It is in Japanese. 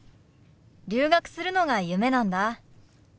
留学するのが夢なんだ。